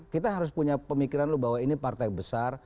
kita harus punya pemikiran lu bahwa ini partai besar